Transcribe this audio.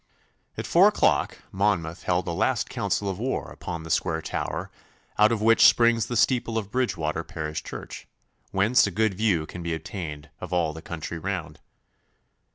At four o'clock Monmouth held a last council of war upon the square tower out of which springs the steeple of Bridgewater parish church, whence a good view can be obtained of all the country round.